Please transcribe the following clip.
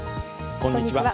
こんにちは。